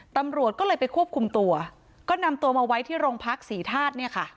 ตำรวจก็เลยไปควบคุมตัวก็นำตัวมาไว้ที่โรงพักศรีธาตุเนี่ยค่ะ